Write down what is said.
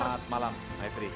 selamat malam maitri